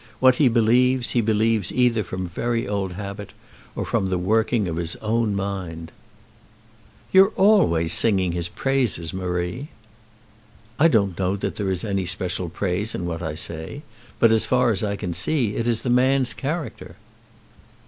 What he believes, he believes either from very old habit, or from the working of his own mind." "You're always singing his praises, Marie." "I don't know that there is any special praise in what I say; but as far as I can see, it is the man's character."